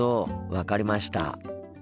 分かりました。